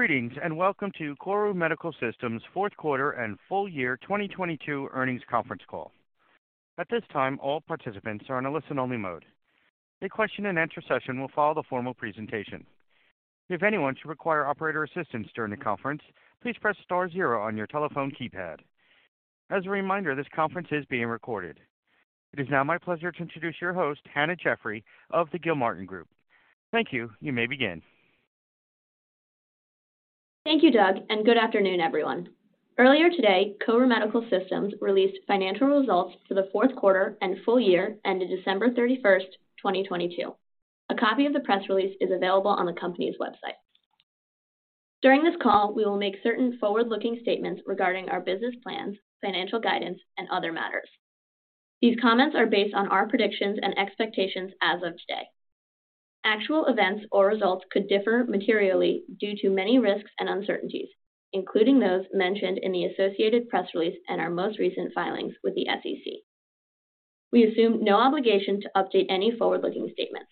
Greetings, and welcome to KORU Medical Systems' Fourth Quarter and Full Year 2022 Earnings Conference Call. At this time, all participants are in a listen-only mode. A question-and-answer session will follow the formal presentation. If anyone should require operator assistance during the conference, please press star zero on your telephone keypad. As a reminder, this conference is being recorded. It is now my pleasure to introduce your host, Hannah Jeffrey of the Gilmartin Group. Thank you. You may begin. Thank you, Doug, and good afternoon, everyone. Earlier today, KORU Medical Systems released financial results for the fourth quarter and full year ended December 31st, 2022. A copy of the press release is available on the company's website. During this call, we will make certain forward-looking statements regarding our business plans, financial guidance, and other matters. These comments are based on our predictions and expectations as of today. Actual events or results could differ materially due to many risks and uncertainties, including those mentioned in the associated press release and our most recent filings with the SEC. We assume no obligation to update any forward-looking statements.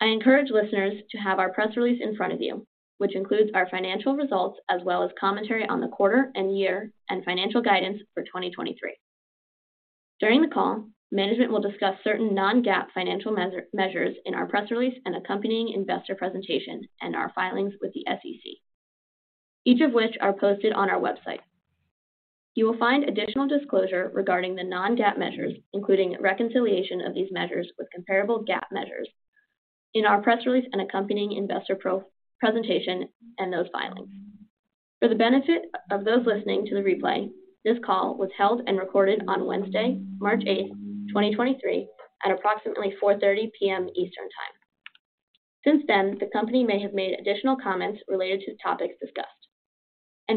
I encourage listeners to have our press release in front of you, which includes our financial results as well as commentary on the quarter and year and financial guidance for 2023. During the call, management will discuss certain non-GAAP financial measures in our press release and accompanying investor presentation and our filings with the SEC, each of which are posted on our website. You will find additional disclosure regarding the non-GAAP measures, including reconciliation of these measures with comparable GAAP measures in our press release and accompanying investor presentation and those filings. For the benefit of those listening to the replay, this call was held and recorded on Wednesday, March 8th, 2023, at approximately 4:30 P.M. ET. Since then, the company may have made additional comments related to topics discussed.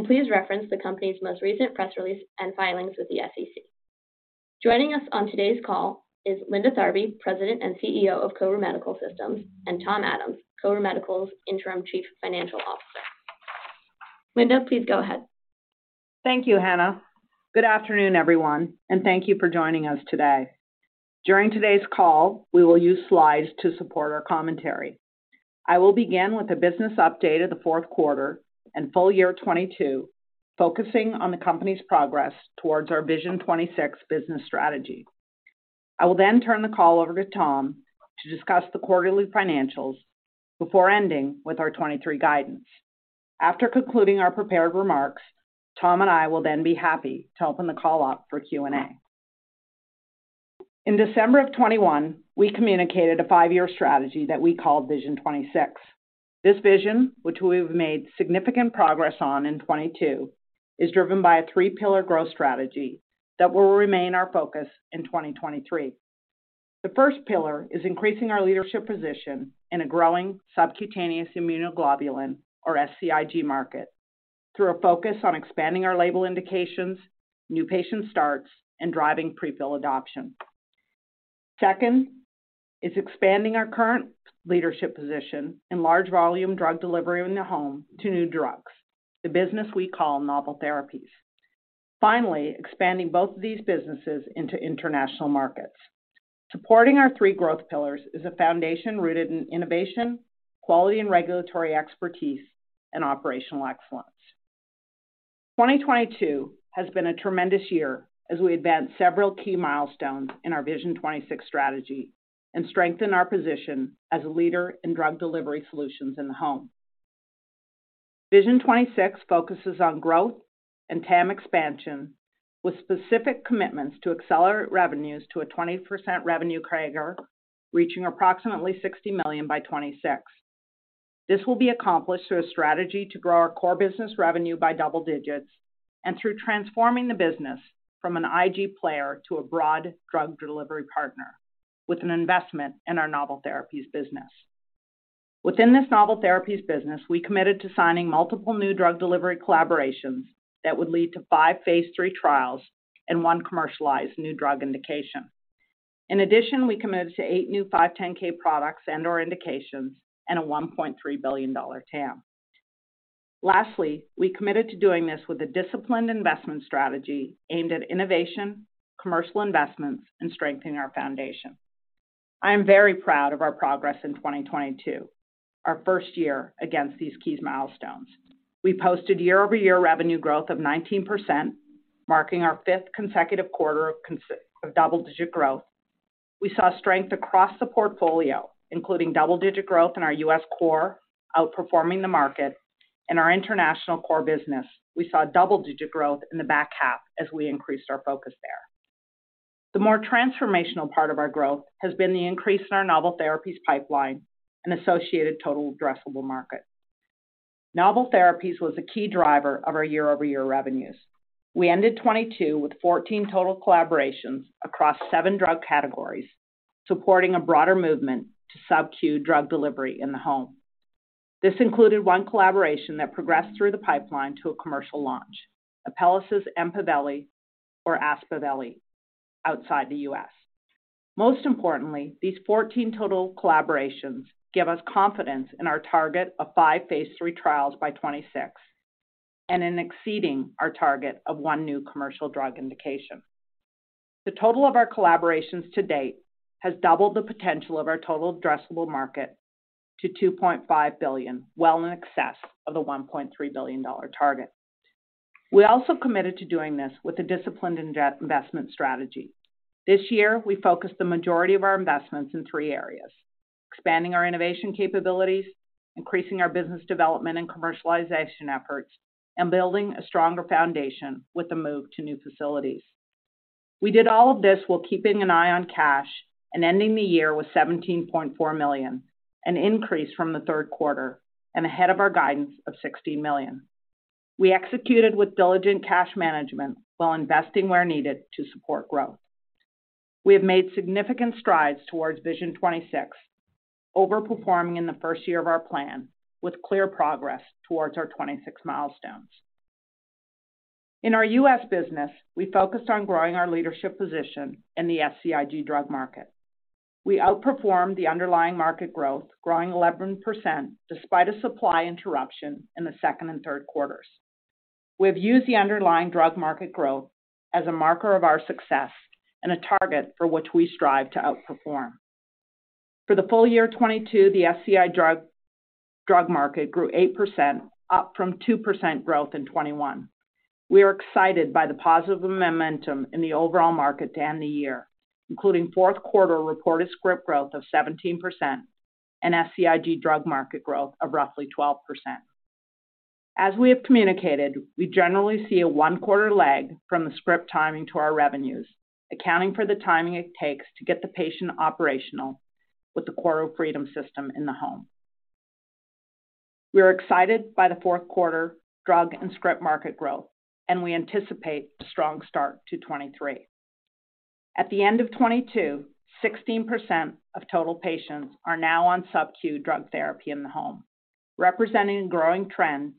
Please reference the company's most recent press release and filings with the SEC. Joining us on today's call is Linda Tharby, President and CEO of KORU Medical Systems, and Tom Adams, KORU Medical's Interim Chief Financial Officer. Linda, please go ahead. Thank you, Hannah. Good afternoon, everyone, and thank you for joining us today. During today's call, we will use slides to support our commentary. I will begin with a business update of the fourth quarter and full year 2022, focusing on the company's progress towards our Vision 2026 business strategy. I will then turn the call over to Tom to discuss the quarterly financials before ending with our 2023 guidance. After concluding our prepared remarks, Tom and I will then be happy to open the call up for Q&A. In December 2021, we communicated a five-year strategy that we called Vision 2026. This vision, which we've made significant progress on in 2022, is driven by a three-pillar growth strategy that will remain our focus in 2023. The first pillar is increasing our leadership position in a growing subcutaneous immunoglobulin, or SCIg market through a focus on expanding our label indications, new patient starts, and driving pre-fill adoption. Second is expanding our current leadership position in large volume drug delivery in the home to new drugs, the business we call Novel Therapies. Expanding both of these businesses into international markets. Supporting our three growth pillars is a foundation rooted in innovation, quality and regulatory expertise, and operational excellence. 2022 has been a tremendous year as we advanced several key milestones in our Vision 2026 strategy and strengthened our position as a leader in drug delivery solutions in the home. Vision 2026 focuses on growth and TAM expansion with specific commitments to accelerate revenues to a 20% revenue CAGR, reaching approximately $60 million by 2026. This will be accomplished through a strategy to grow our core business revenue by double digits and through transforming the business from an IG player to a broad drug delivery partner with an investment in our Novel Therapies business. Within this Novel Therapies business, we committed to signing multiple new drug delivery collaborations that would lead to five Phase 3 trials and one commercialized new drug indication. In addition, we committed to eight new 510K products and/or indications and a $1.3 billion TAM. Lastly, we committed to doing this with a disciplined investment strategy aimed at innovation, commercial investments, and strengthening our foundation. I am very proud of our progress in 2022, our first year against these key milestones. We posted year-over-year revenue growth of 19%, marking our fifth consecutive quarter of double-digit growth. We saw strength across the portfolio, including double-digit growth in our U.S. core, outperforming the market and our international core business. We saw double-digit growth in the back half as we increased our focus there. The more transformational part of our growth has been the increase in our Novel Therapies pipeline and associated total addressable market. Novel Therapies was a key driver of our year-over-year revenues. We ended 2022 with 14 total collaborations across seven drug categories, supporting a broader movement to SubQ drug delivery in the home. This included one collaboration that progressed through the pipeline to a commercial launch, Apellis' EMPAVELI or Aspaveli outside the U.S. Most importantly, these 14 total collaborations give us confidence in our target of five Phase 3 trials by 2026 and in exceeding our target of one new commercial drug indication. The total of our collaborations to date has doubled the potential of our total addressable market to $2.5 billion, well in excess of the $1.3 billion target. We also committed to doing this with a disciplined investment strategy. This year, we focused the majority of our investments in three areas: expanding our innovation capabilities, increasing our business development and commercialization efforts, and building a stronger foundation with the move to new facilities. We did all of this while keeping an eye on cash and ending the year with $17.4 million, an increase from the third quarter and ahead of our guidance of $16 million. We executed with diligent cash management while investing where needed to support growth. We have made significant strides towards Vision 2026, over-performing in the first year of our plan with clear progress towards our 2026 milestones. In our U.S. business, we focused on growing our leadership position in the SCIg drug market. We outperformed the underlying market growth, growing 11% despite a supply interruption in the second and third quarters. We have used the underlying drug market growth as a marker of our success and a target for which we strive to outperform. For the full year 2022, the SCIg drug market grew 8%, up from 2% growth in 2021. We are excited by the positive momentum in the overall market to end the year, including fourth quarter reported script growth of 17% and SCIg drug market growth of roughly 12%. As we have communicated, we generally see a one-quarter lag from the script timing to our revenues, accounting for the timing it takes to get the patient operational with the KORU Freedom system in the home. We are excited by the fourth quarter drug and script market growth. We anticipate a strong start to 23. At the end of 22, 16% of total patients are now on SubQ drug therapy in the home, representing a growing trend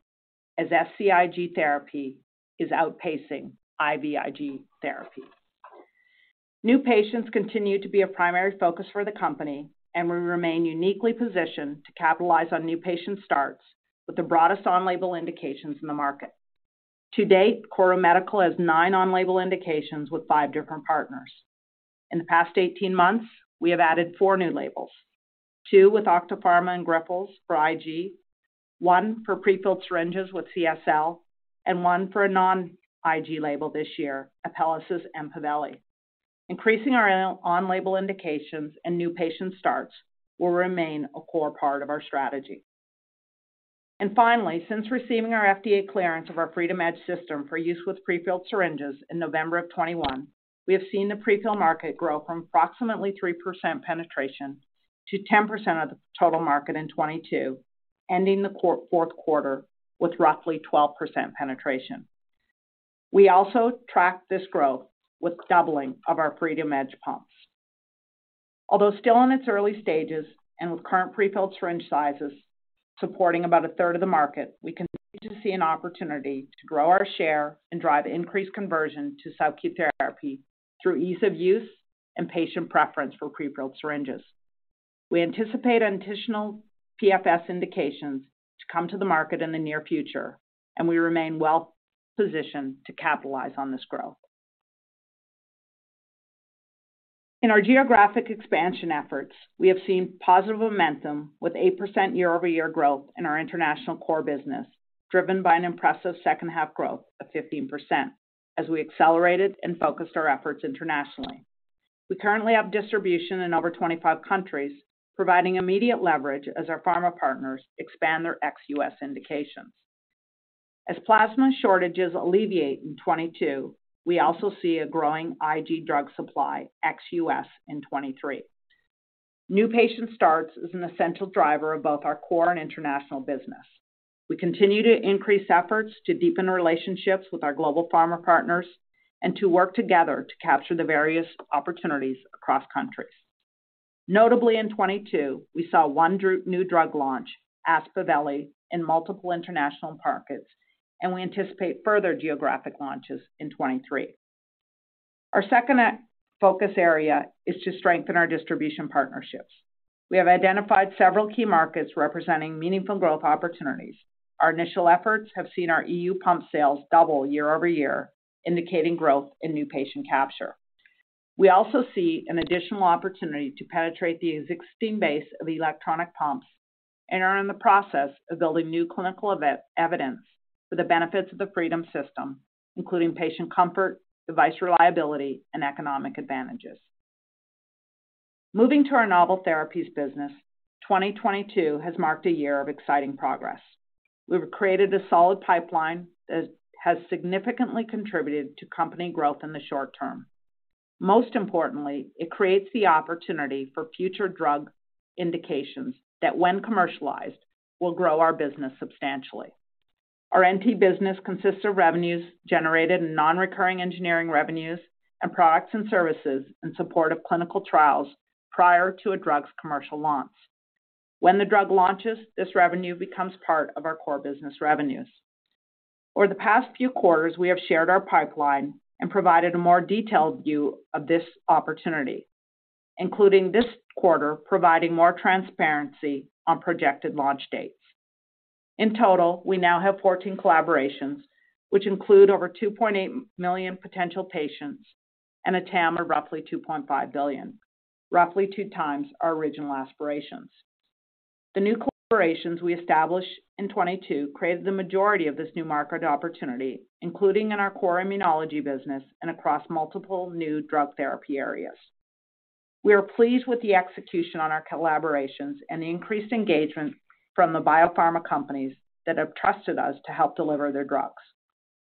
as SCIg therapy is outpacing IVIG therapy. New patients continue to be a primary focus for the company. We remain uniquely positioned to capitalize on new patient starts with the broadest on-label indications in the market. To date, KORU Medical has nine on-label indications with five different partners. In the past 18 months, we have added four new labels, two with Octapharma and Grifols for IG, one for pre-filled syringes with CSL, and one for a non-IG label this year, Apellis' EMPAVELI. Increasing our on-label indications and new patient starts will remain a core part of our strategy. Finally, since receiving our FDA clearance of our FreedomEDGE system for use with pre-filled syringes in November of 2021, we have seen the pre-fill market grow from approximately 3% penetration to 10% of the total market in 2022, ending the fourth quarter with roughly 12% penetration. We also tracked this growth with doubling of our FreedomEDGE pumps. Although still in its early stages and with current pre-filled syringe sizes supporting about a third of the market, we continue to see an opportunity to grow our share and drive increased conversion to SubQ therapy through ease of use and patient preference for pre-filled syringes. We anticipate additional PFS indications to come to the market in the near future, and we remain well-positioned to capitalize on this growth. In our geographic expansion efforts, we have seen positive momentum with 8% year-over-year growth in our international core business, driven by an impressive second half growth of 15% as we accelerated and focused our efforts internationally. We currently have distribution in over 25 countries, providing immediate leverage as our pharma partners expand their ex-U.S. indications. As plasma shortages alleviate in 2022, we also see a growing IG drug supply ex-U.S. in 2023. New patient starts is an essential driver of both our core and international business. We continue to increase efforts to deepen relationships with our global pharma partners and to work together to capture the various opportunities across countries. Notably in 2022, we saw one new drug launch, Aspaveli, in multiple international markets. We anticipate further geographic launches in 2023. Our second focus area is to strengthen our distribution partnerships. We have identified several key markets representing meaningful growth opportunities. Our initial efforts have seen our EU pump sales double year-over-year, indicating growth in new patient capture. We also see an additional opportunity to penetrate the existing base of electronic pumps and are in the process of building new clinical evidence for the benefits of the Freedom system, including patient comfort, device reliability, and economic advantages. Moving to our Novel Therapies business, 2022 has marked a year of exciting progress. We've created a solid pipeline that has significantly contributed to company growth in the short term. Most importantly, it creates the opportunity for future drug indications that, when commercialized, will grow our business substantially. Our NT business consists of revenues generated in Non-Recurring Engineering revenues and products and services in support of clinical trials prior to a drug's commercial launch. When the drug launches, this revenue becomes part of our core business revenues. Over the past few quarters, we have shared our pipeline and provided a more detailed view of this opportunity, including this quarter providing more transparency on projected launch dates. In total, we now have 14 collaborations, which include over 2.8 million potential patients and a TAM of roughly $2.5 billion, roughly 2x our original aspirations. The new collaborations we established in 2022 created the majority of this new market opportunity, including in our core immunology business and across multiple new drug therapy areas. We are pleased with the execution on our collaborations and the increased engagement from the biopharma companies that have trusted us to help deliver their drugs.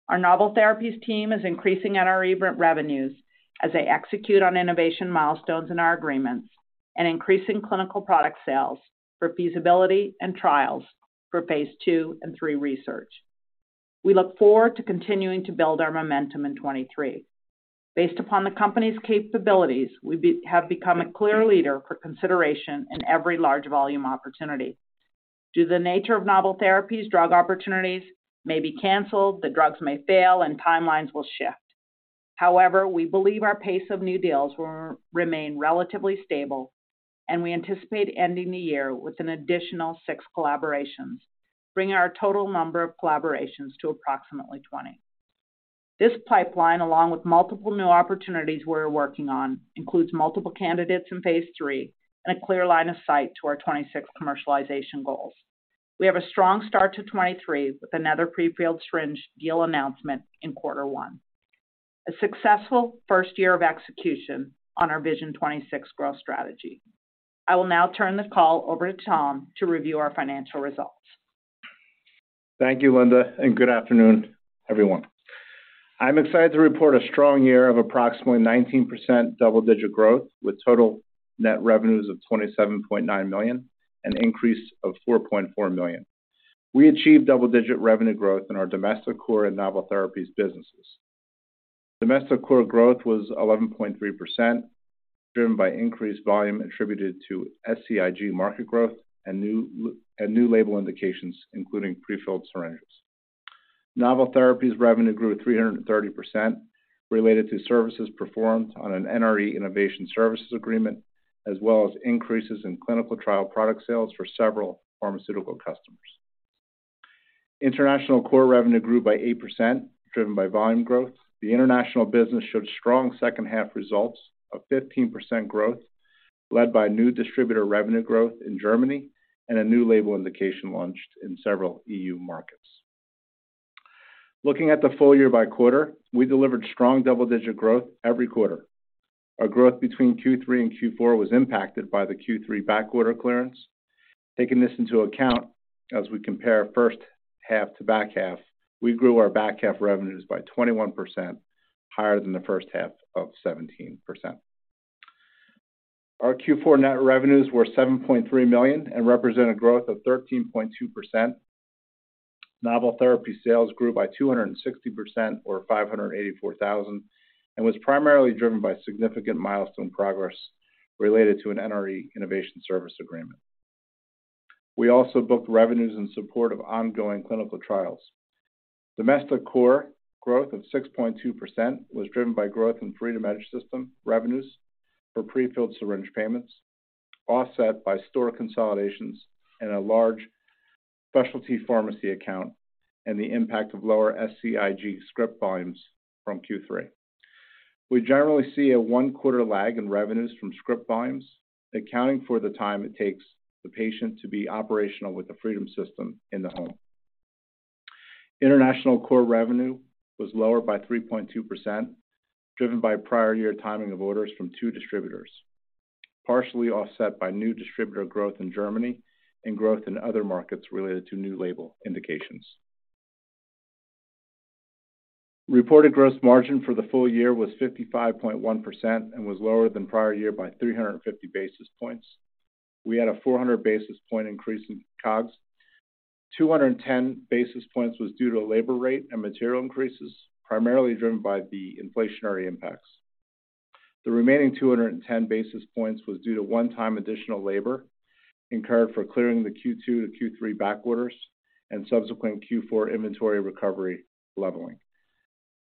Our Novel Therapies team is increasing NRE revenues as they execute on innovation milestones in our agreements and increasing clinical product sales for feasibility and trials for Phase 2 and 3 research. We look forward to continuing to build our momentum in 2023. Based upon the company's capabilities, we have become a clear leader for consideration in every large volume opportunity. Due to the nature of Novel Therapies, drug opportunities may be canceled, the drugs may fail, and timelines will shift. However, we believe our pace of new deals will remain relatively stable. We anticipate ending the year with an additional six collaborations, bringing our total number of collaborations to approximately 20. This pipeline, along with multiple new opportunities we're working on, includes multiple candidates in phase three and a clear line of sight to our 2026 commercialization goals. We have a strong start to 2023 with another prefilled syringe deal announcement in quarter one. A successful first year of execution on our Vision 2026 growth strategy. I will now turn the call over to Tom to review our financial results. Thank you, Linda. Good afternoon, everyone. I'm excited to report a strong year of approximately 19% double-digit growth with total net revenues of $27.9 million, an increase of $4.4 million. We achieved double-digit revenue growth in our domestic core and Novel Therapies businesses. Domestic core growth was 11.3%, driven by increased volume attributed to SCIg market growth and new label indications, including prefilled syringes. Novel Therapies revenue grew 330% related to services performed on an NRE innovation services agreement, as well as increases in clinical trial product sales for several pharmaceutical customers. International core revenue grew by 8%, driven by volume growth. The international business showed strong second half results of 15% growth, led by new distributor revenue growth in Germany and a new label indication launched in several EU markets. Looking at the full year by quarter, we delivered strong double-digit growth every quarter. Our growth between Q3 and Q4 was impacted by the Q3 backorder clearance. Taking this into account as we compare first half to back half, we grew our back half revenues by 21%, higher than the first half of 17%. Our Q4 net revenues were $7.3 million and represent a growth of 13.2%. Novel Therapies sales grew by 260% or $584,000 and was primarily driven by significant milestone progress related to an NRE innovation service agreement. We also booked revenues in support of ongoing clinical trials. Domestic core growth of 6.2% was driven by growth in FreedomEDGE system revenues for pre-filled syringe payments, offset by store consolidations in a large specialty pharmacy account and the impact of lower SCIg script volumes from Q3. We generally see a one-quarter lag in revenues from script volumes, accounting for the time it takes the patient to be operational with the Freedom system in the home. International core revenue was lower by 3.2%, driven by prior year timing of orders from two distributors, partially offset by new distributor growth in Germany and growth in other markets related to new label indications. Reported gross margin for the full year was 55.1% and was lower than prior year by 350 basis points. We had a 400 basis point increase in COGS. 210 basis points was due to labor rate and material increases, primarily driven by the inflationary impacts. The remaining 210 basis points was due to one-time additional labor incurred for clearing the Q2 to Q3 backorders and subsequent Q4 inventory recovery leveling.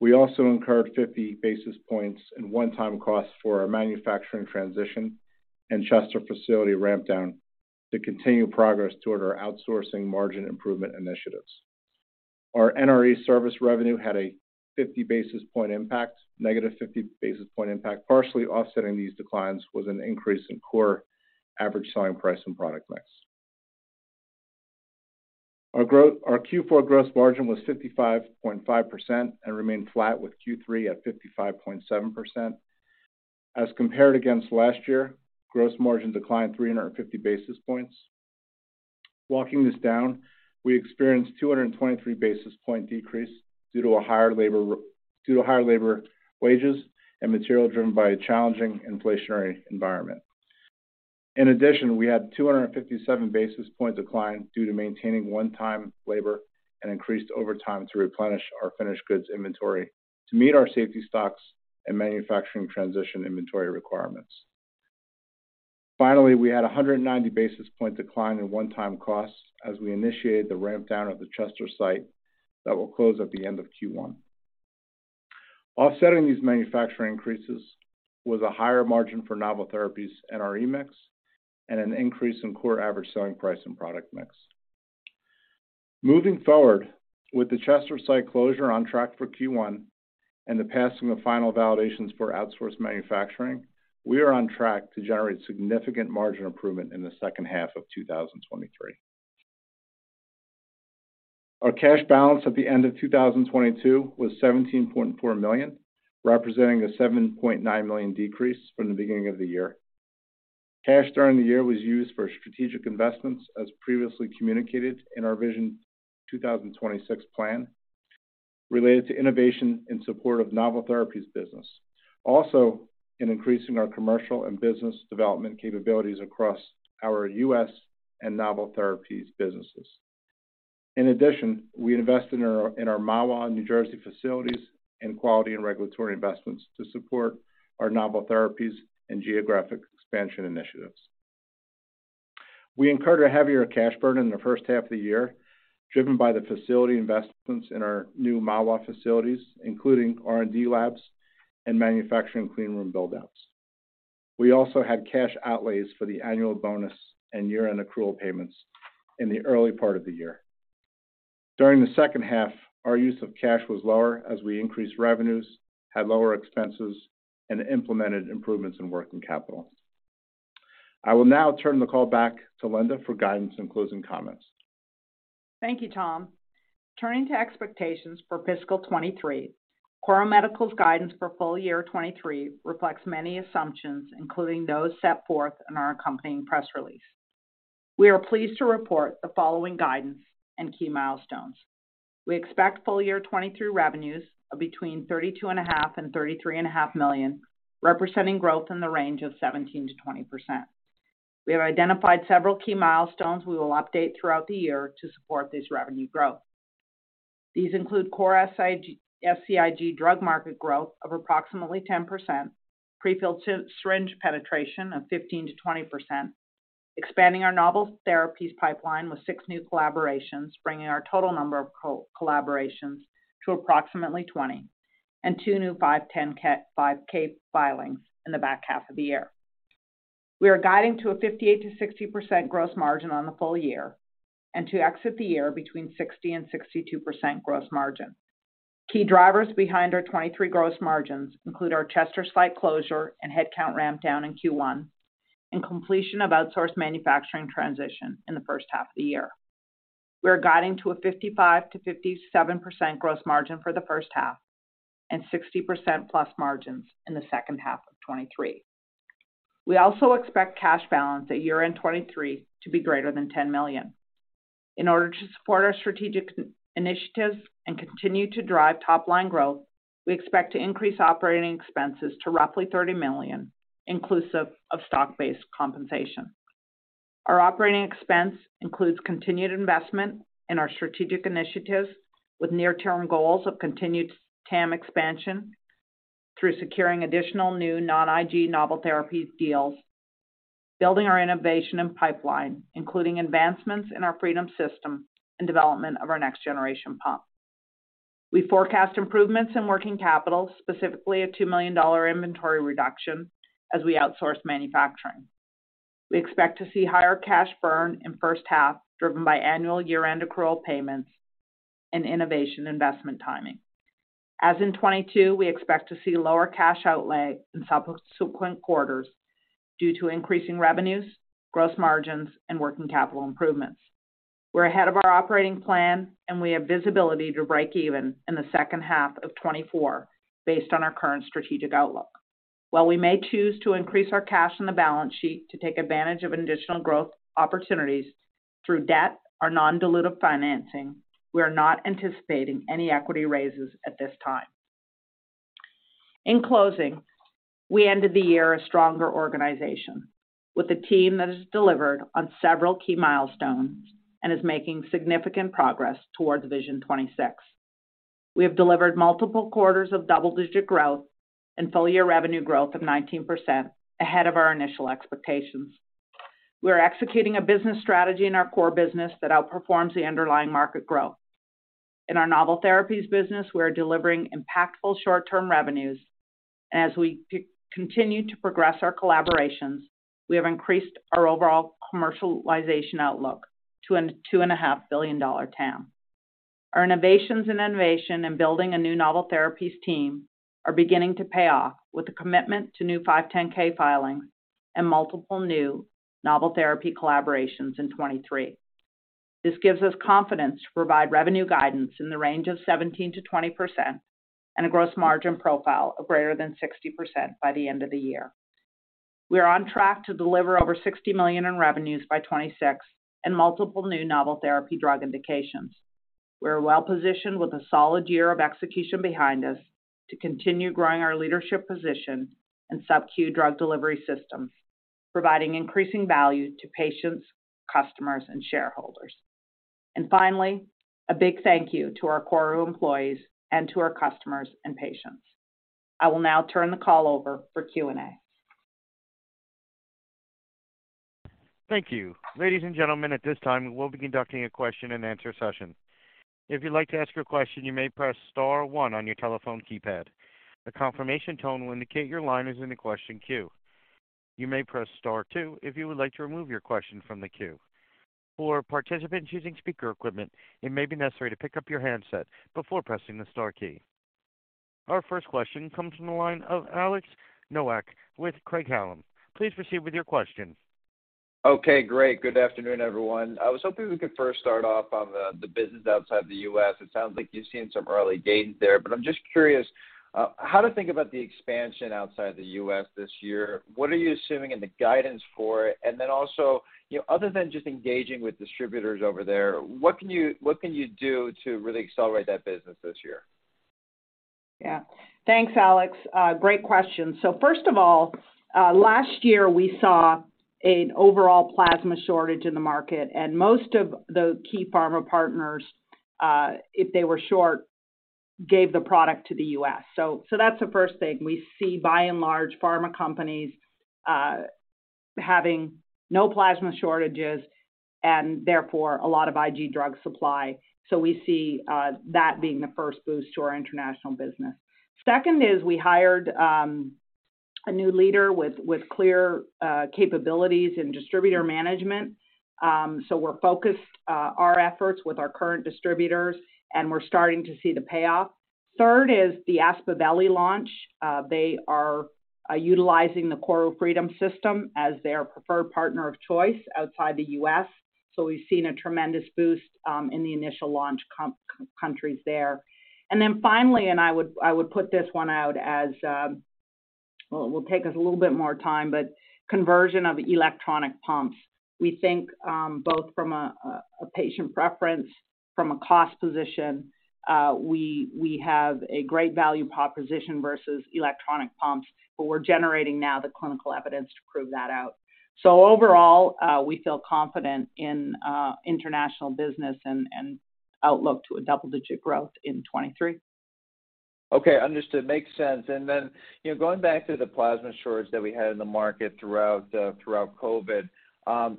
We also incurred 50 basis points in one-time costs for our manufacturing transition and Chester facility ramp down to continue progress toward our outsourcing margin improvement initiatives. Our NRE service revenue had a negative 50 basis point impact. Partially offsetting these declines was an increase in core average selling price and product mix. Our Q4 gross margin was 55.5% and remained flat with Q3 at 55.7%. As compared against last year, gross margin declined 350 basis points. Walking this down, we experienced 223 basis point decrease due to higher labor wages and material driven by a challenging inflationary environment. In addition, we had 257 basis point decline due to maintaining one-time labor and increased overtime to replenish our finished goods inventory to meet our safety stocks and manufacturing transition inventory requirements. Finally, we had 190 basis point decline in one-time costs as we initiated the ramp down of the Chester site that will close at the end of Q1. Offsetting these manufacturing increases was a higher margin for Novel Therapies in our mix and an increase in core average selling price and product mix. Moving forward, with the Chester site closure on track for Q1 and the passing of final validations for outsourced manufacturing, we are on track to generate significant margin improvement in the second half of 2023. Our cash balance at the end of 2022 was $17.4 million, representing a $7.9 million decrease from the beginning of the year. Cash during the year was used for strategic investments, as previously communicated in our Vision 2026 plan related to innovation in support of Novel Therapies business. Increasing our commercial and business development capabilities across our U.S. and Novel Therapies businesses. We invested in our Mahwah, New Jersey facilities and quality and regulatory investments to support our Novel Therapies and geographic expansion initiatives. We incurred a heavier cash burn in the first half of the year, driven by the facility investments in our new Mahwah facilities, including R&D labs and manufacturing clean room build-outs. We also had cash outlays for the annual bonus and year-end accrual payments in the early part of the year. During the second half, our use of cash was lower as we increased revenues, had lower expenses, and implemented improvements in working capital. I will now turn the call back to Linda for guidance and closing comments. Thank you, Tom. Turning to expectations for fiscal 2023, KORU Medical's guidance for full year 2023 reflects many assumptions, including those set forth in our accompanying press release. We are pleased to report the following guidance and key milestones. We expect full year 2023 revenues of between $32.5 million-$33.5 million, representing growth in the range of 17%-20%. We have identified several key milestones we will update throughout the year to support this revenue growth. These include core SCIg drug market growth of approximately 10%, pre-filled syringe penetration of 15%-20%, expanding our Novel Therapies pipeline with six new collaborations, bringing our total number of collaborations to approximately 20, and two new 510(k) filings in the back half of the year. We are guiding to a 58%-60% gross margin on the full year and to exit the year between 60% and 62% gross margin. Key drivers behind our 2023 gross margins include our Chester site closure and headcount ramp down in Q1 and completion of outsourced manufacturing transition in the first half of the year. We are guiding to a 55%-57% gross margin for the first half and 60%+ margins in the second half of 2023. We also expect cash balance at year end 2023 to be greater than $10 million. In order to support our strategic initiatives and continue to drive top-line growth, we expect to increase operating expenses to roughly $30 million, inclusive of stock-based compensation. Our operating expense includes continued investment in our strategic initiatives, with near-term goals of continued TAM expansion through securing additional new non-IG Novel Therapies deals, building our innovation and pipeline, including advancements in our Freedom system and development of our next generation pump. We forecast improvements in working capital, specifically a $2 million inventory reduction as we outsource manufacturing. We expect to see higher cash burn in first half, driven by annual year-end accrual payments and innovation investment timing. As in 2022, we expect to see lower cash outlay in subsequent quarters due to increasing revenues, gross margins and working capital improvements. We're ahead of our operating plan, and we have visibility to break even in the second half of 2024 based on our current strategic outlook. While we may choose to increase our cash on the balance sheet to take advantage of additional growth opportunities through debt or non-dilutive financing, we are not anticipating any equity raises at this time. In closing, we ended the year a stronger organization with a team that has delivered on several key milestones and is making significant progress towards Vision 2026. We have delivered multiple quarters of double-digit growth and full-year revenue growth of 19%, ahead of our initial expectations. We are executing a business strategy in our core business that outperforms the underlying market growth. In our Novel Therapies business, we are delivering impactful short-term revenues. As we continue to progress our collaborations, we have increased our overall commercialization outlook to a $2.5 billion TAM. Our innovations in innovation and building a new Novel Therapies team are beginning to pay off with a commitment to new 510K filings and multiple new Novel Therapies collaborations in 2023. This gives us confidence to provide revenue guidance in the range of 17%-20% and a gross margin profile of greater than 60% by the end of the year. We are on track to deliver over $60 million in revenues by 2026 and multiple new Novel Therapies drug indications. We are well positioned with a solid year of execution behind us to continue growing our leadership position in SubQ drug delivery systems, providing increasing value to patients, customers, and shareholders. Finally, a big thank you to our KORU employees and to our customers and patients. I will now turn the call over for Q&A. Thank you. Ladies and gentlemen, at this time we will be conducting a question-and-answer session. If you'd like to ask your question, you may press star one on your telephone keypad. A confirmation tone will indicate your line is in the question queue. You may press star two if you would like to remove your question from the queue. For participants using speaker equipment, it may be necessary to pick up your handset before pressing the star key. Our first question comes from the line of Alex Nowak with Craig-Hallum. Please proceed with your question. Okay, great. Good afternoon, everyone. I was hoping we could first start off on the business outside the U.S. It sounds like you've seen some early gains there, but I'm just curious, how to think about the expansion outside the U.S. this year. What are you assuming in the guidance for it? Also, you know, other than just engaging with distributors over there, what can you do to really accelerate that business this year? Thanks, Alex. Great question. First of all, last year we saw an overall plasma shortage in the market, and most of the key pharma partners, if they were short, gave the product to the U.S. That's the first thing. We see by and large pharma companies having no plasma shortages and therefore a lot of IG drug supply. We see that being the first boost to our international business. Second is we hired a new leader with clear capabilities in distributor management. We're focused our efforts with our current distributors, and we're starting to see the payoff. Third is the Aspaveli launch. They are utilizing the KORU Freedom system as their preferred partner of choice outside the U.S. We've seen a tremendous boost in the initial launch countries there. Finally, and I would put this one out as, well, it will take us a little bit more time, but conversion of electronic pumps. We think, both from a patient preference, from a cost position, we have a great value proposition versus electronic pumps, but we're generating now the clinical evidence to prove that out. Overall, we feel confident in international business and outlook to a double-digit growth in 2023. Okay. Understood. Makes sense. You know, going back to the plasma shortage that we had in the market throughout COVID.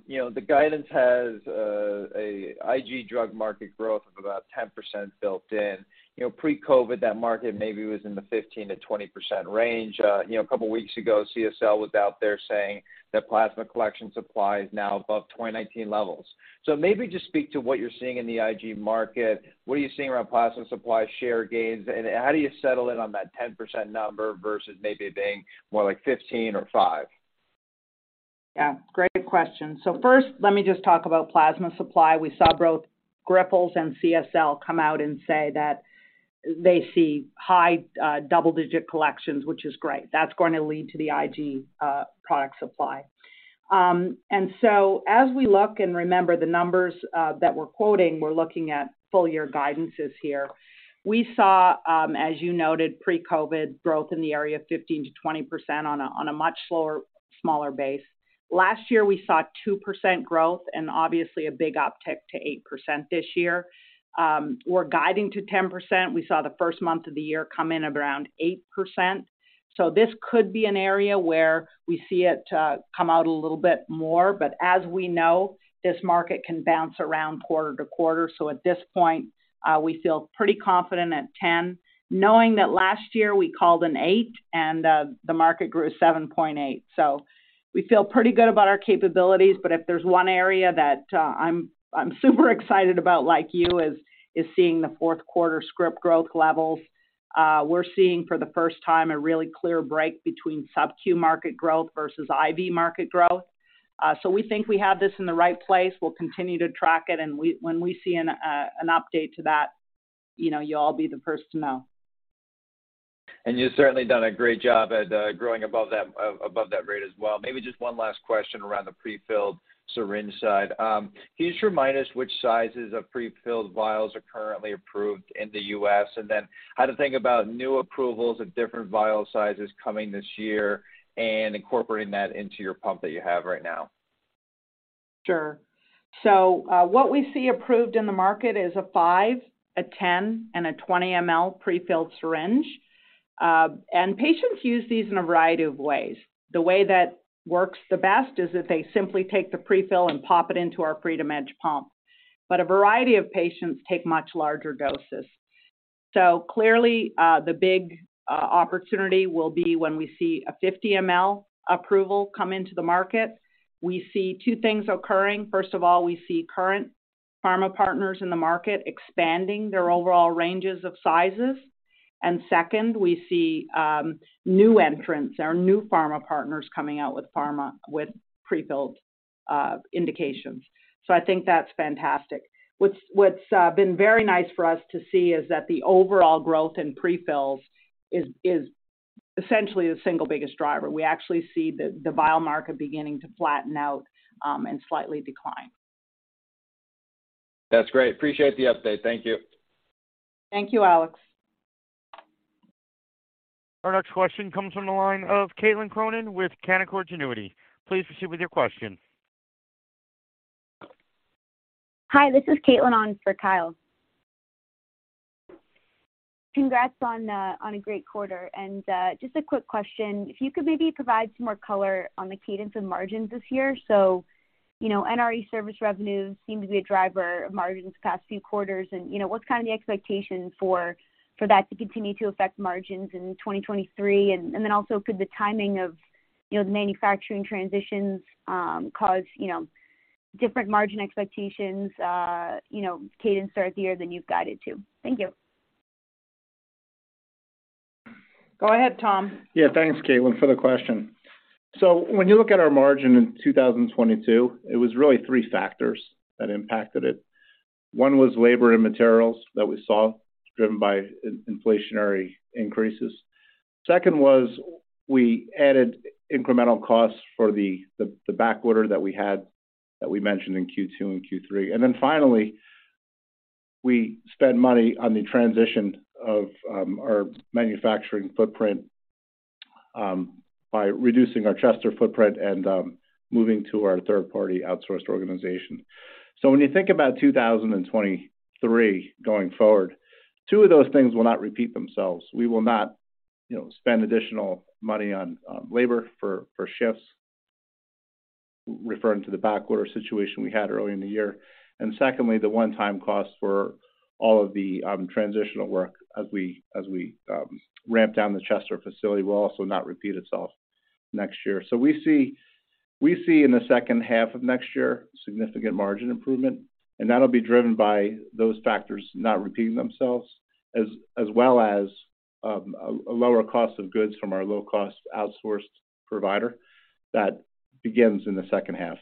You know, the guidance has a IG drug market growth of about 10% built in. You know, pre-COVID, that market maybe was in the 15%-20% range. You know, a couple weeks ago, CSL was out there saying that plasma collection supply is now above 2019 levels. Maybe just speak to what you're seeing in the IG market. What are you seeing around plasma supply share gains, and how do you settle in on that 10% number versus maybe being more like 15% or 5%? Great question. First, let me just talk about plasma supply. We saw both Grifols and CSL come out and say that they see high, double-digit collections, which is great. That's going to lead to the IG product supply. As we look and remember the numbers that we're quoting, we're looking at full year guidances here. We saw, as you noted, pre-COVID growth in the area of 15%-20% on a much slower, smaller base. Last year, we saw 2% growth and obviously a big uptick to 8% this year. We're guiding to 10%. We saw the first month of the year come in around 8%. This could be an area where we see it come out a little bit more. As we know, this market can bounce around quarter to quarter. At this point, we feel pretty confident at 10%, knowing that last year we called an 8% and the market grew 7.8%. We feel pretty good about our capabilities, but if there's one area that, I'm super excited about, like you, is seeing the fourth quarter script growth levels. We're seeing for the first time a really clear break between SubQ market growth versus IV market growth. We think we have this in the right place. We'll continue to track it and when we see an update to that, you know, you'll all be the first to know. You've certainly done a great job at growing above that, above that rate as well. Maybe just one last question around the pre-filled syringe side. Can you just remind us which sizes of pre-filled vials are currently approved in the U.S., and then how to think about new approvals of different vial sizes coming this year and incorporating that into your pump that you have right now? Sure. What we see approved in the market is a 5-ml, a 10-ml, and a 20-ml pre-filled syringe. Patients use these in a variety of ways. The way that works the best is that they simply take the pre-fill and pop it into our FreedomEDGE pump. A variety of patients take much larger doses. Clearly, the big opportunity will be when we see a 50-ml approval come into the market. We see two things occurring. First of all, we see current pharma partners in the market expanding their overall ranges of sizes. Second, we see new entrants or new pharma partners coming out with pre-filled indications. I think that's fantastic. What's been very nice for us to see is that the overall growth in pre-fills is essentially the single biggest driver. We actually see the vial market beginning to flatten out and slightly decline. That's great. Appreciate the update. Thank you. Thank you, Alex. Our next question comes from the line of Caitlin Cronin with Canaccord Genuity. Please proceed with your question. Hi, this is Caitlin on for Kyle Rose. Congrats on a great quarter. Just a quick question. If you could maybe provide some more color on the cadence and margins this year. You know, NRE service revenues seem to be a driver of margins the past few quarters and, you know, what's kind of the expectation for that to continue to affect margins in 2023? Then also could the timing of, you know, the manufacturing transitions, cause, you know, different margin expectations, you know, cadence throughout the year than you've guided to? Thank you. Go ahead, Tom. Yeah. Thanks, Caitlin, for the question. When you look at our margin in 2022, it was really three factors that impacted it. One was labor and materials that we saw driven by inflationary increases. Second was we added incremental costs for the backorder that we had that we mentioned in Q2 and Q3. Finally, we spent money on the transition of our manufacturing footprint by reducing our Chester footprint and moving to our third-party outsourced organization. When you think about 2023 going forward, two of those things will not repeat themselves. We will not, you know, spend additional money on labor for shifts, referring to the backorder situation we had earlier in the year. Secondly, the one-time cost for all of the transitional work as we ramp down the Chester facility will also not repeat itself next year. We see in the second half of next year, significant margin improvement, and that'll be driven by those factors not repeating themselves as well as a lower cost of goods from our low-cost outsourced provider that begins in the second half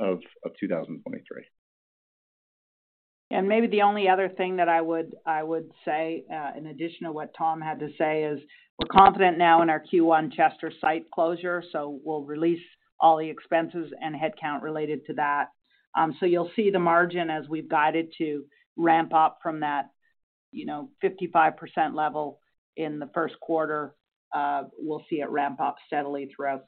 of 2023. Maybe the only other thing that I would say, in addition to what Tom had to say is we're confident now in our Q1 Chester site closure, so we'll release all the expenses and headcount related to that. You'll see the margin as we've guided to ramp up from that, you know, 55% level in the first quarter. We'll see it ramp up steadily throughout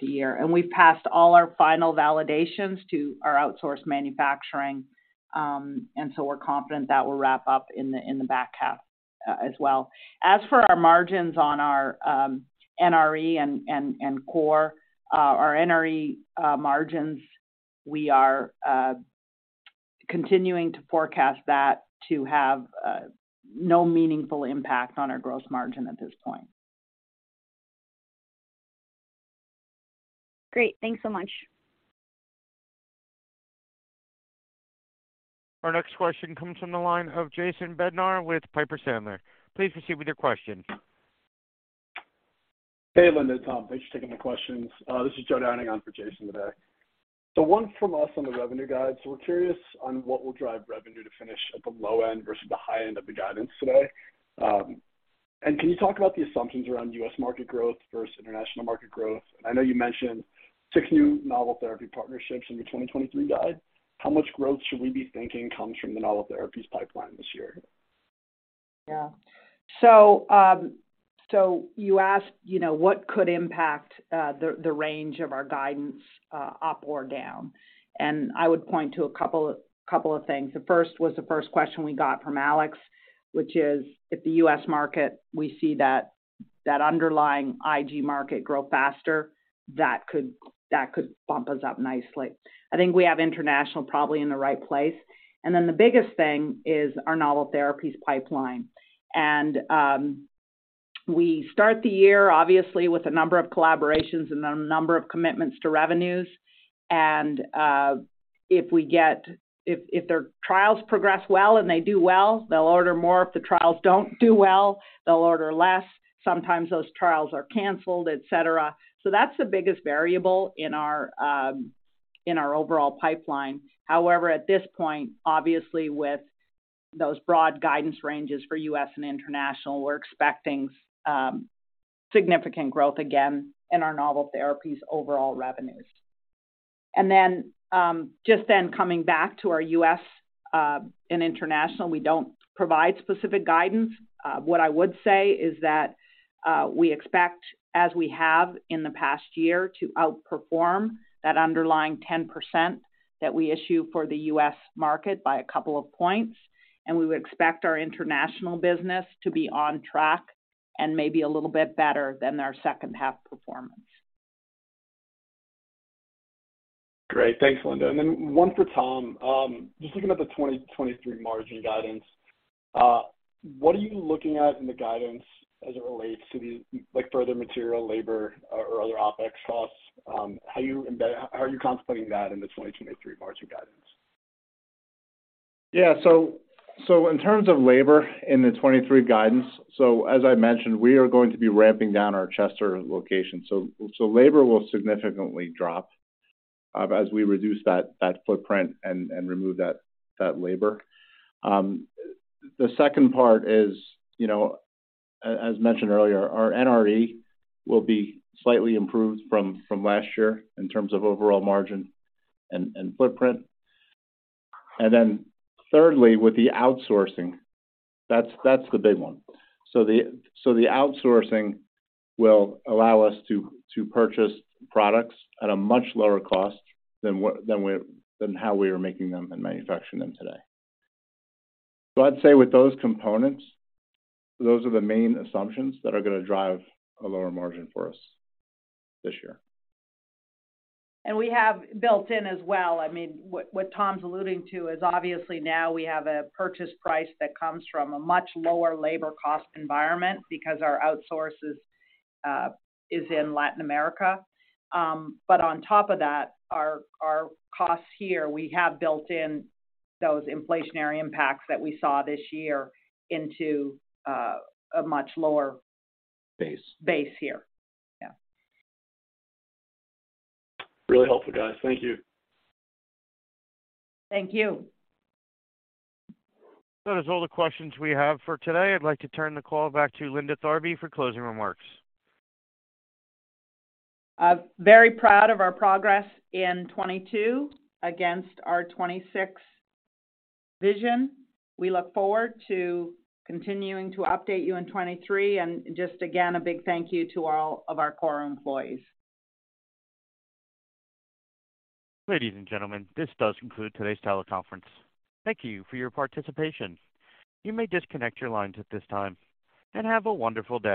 the year. We've passed all our final validations to our outsourced manufacturing, and so we're confident that will wrap up in the back half as well. As for our margins on our NRE and core, our NRE margins, we are continuing to forecast that to have no meaningful impact on our gross margin at this point. Great. Thanks so much. Our next question comes from the line of Jason Bednar with Piper Sandler. Please proceed with your question. Hey, Linda and Tom. Thanks for taking the questions. This is Joe Downing on for Jason today. One from us on the revenue guide. We're curious on what will drive revenue to finish at the low end versus the high end of the guidance today. Can you talk about the assumptions around U.S. market growth versus international market growth? I know you mentioned six new Novel Therapies partnerships in your 2023 guide. How much growth should we be thinking comes from the Novel Therapies pipeline this year? Yeah. You asked, you know, what could impact the range of our guidance up or down. I would point to a couple of things. The first was the first question we got from Alex, which is if the U.S. market, we see that underlying IG market grow faster, that could bump us up nicely. I think we have international probably in the right place. The biggest thing is our Novel Therapies pipeline. We start the year obviously with a number of collaborations and a number of commitments to revenues. If their trials progress well and they do well, they'll order more. If the trials don't do well, they'll order less. Sometimes those trials are canceled, et cetera. That's the biggest variable in our overall pipeline. At this point, obviously with those broad guidance ranges for U.S. and international, we're expecting significant growth again in our Novel Therapies overall revenues. Just then coming back to our U.S. and international, we don't provide specific guidance. What I would say is that we expect, as we have in the past year, to outperform that underlying 10% that we issue for the U.S. market by a couple of points, and we would expect our international business to be on track and maybe a little bit better than our second half performance. Great. Thanks, Linda. Then one for Tom. Just looking at the 2023 margin guidance, what are you looking at in the guidance as it relates to the like further material, labor or other OpEx costs? How are you contemplating that in the 2023 margin guidance? In terms of labor in the 2023 guidance, as I mentioned, we are going to be ramping down our Chester location. Labor will significantly drop, but as we reduce that footprint and remove that labor. The second part is, you know, as mentioned earlier, our NRE will be slightly improved from last year in terms of overall margin and footprint. Thirdly, with the outsourcing, that's the big one. The outsourcing will allow us to purchase products at a much lower cost than how we are making them and manufacturing them today. I'd say with those components, those are the main assumptions that are gonna drive a lower margin for us this year. We have built in as well. I mean, what Tom's alluding to is obviously now we have a purchase price that comes from a much lower labor cost environment because our outsource is in Latin America. On top of that, our costs here, we have built in those inflationary impacts that we saw this year into a much lower- Base ...base here. Yeah. Really helpful, guys. Thank you. Thank you. That is all the questions we have for today. I'd like to turn the call back to Linda Tharby for closing remarks. I'm very proud of our progress in 2022 against our Vision 2026. We look forward to continuing to update you in 2023. Just again, a big thank you to all of our KORU employees. Ladies and gentlemen, this does conclude today's teleconference. Thank you for your participation. You may disconnect your lines at this time. Have a wonderful day.